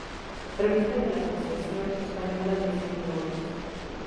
Revista de la Asociación Española de Semiótica".